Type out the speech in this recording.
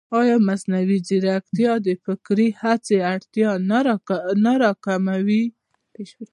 ایا مصنوعي ځیرکتیا د فکري هڅې اړتیا نه راکموي؟